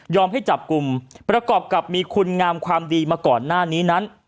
ให้จับกลุ่มประกอบกับมีคุณงามความดีมาก่อนหน้านี้นั้น